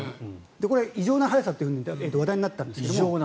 これは異常な早さと話題になったんですが。